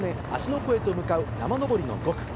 湖へと向かう山上りの５区。